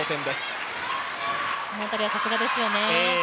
この辺りはさすがですよね。